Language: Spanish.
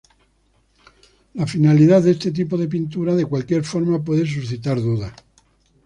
La finalidad de este tipo de pintura, de cualquier forma, puede suscitar dudas.